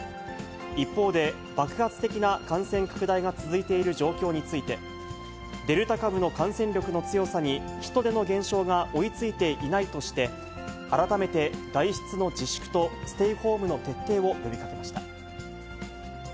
一方で、爆発的な感染拡大が続いている状況について、デルタ株の感染力の強さに、人出の減少が追いついていないとして、改めて外出の自粛とステイホームの徹底を呼びかけました。